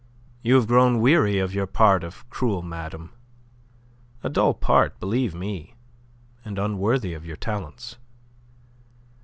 You have grown weary of your part of cruel madam a dull part, believe me, and unworthy of your talents.